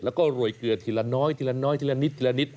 แล้วก็หล่อยเกลือทีละน้อยทีละนิด